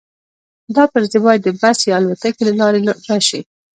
دا پرزې باید د بس یا الوتکې له لارې راشي